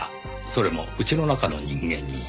それも家の中の人間に。